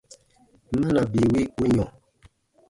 Mana bii wi u yɔ̃ ?